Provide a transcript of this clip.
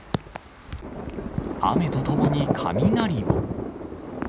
雨とともに雷も。